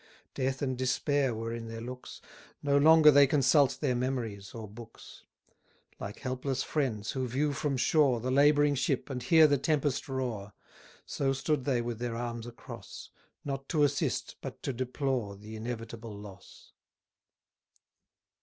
Death and despair were in their looks, No longer they consult their memories or books; Like helpless friends, who view from shore The labouring ship, and hear the tempest roar; So stood they with their arms across; Not to assist, but to deplore The inevitable loss.